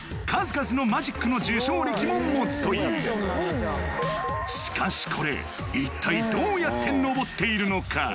数々のマジックの受賞歴も持つというしかしこれ一体どうやってのぼっているのか？